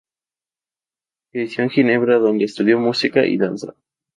Creció en Ginebra, donde estudió música y danza.